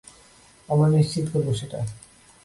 আমরা নিশ্চিত করব সেটা।